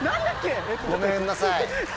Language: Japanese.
ごめんなさい。